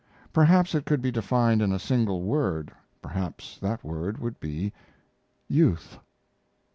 Perhaps it could be defined in a single word, perhaps that word would be "youth."